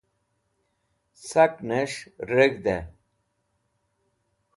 sak'nesh reg̃hd'ey